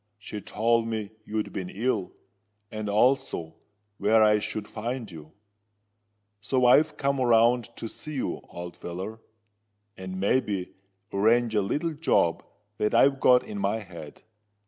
She told me you'd been ill, and also where I should find you. So I've come round to see you, old feller—and, may be, arrange a little job that I've got in my head.